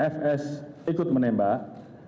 fs ikut menembak